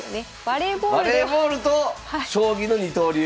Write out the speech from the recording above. バレーボールと将棋の二刀流。